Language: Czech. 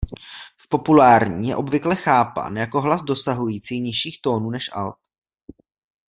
V populární je obvykle chápán jako hlas dosahující nižších tónů než alt.